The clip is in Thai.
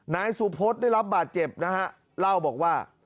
นายสุพศได้รับบาดเจ็บนะฮะเล่าบอกว่า